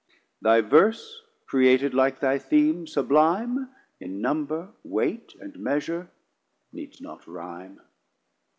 Thy Verse created like thy Theme sublime, In Number, Weight, and Measure, needs not Rhime.